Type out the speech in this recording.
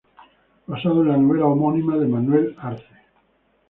Basado en la novela homónima de Manuel Arce.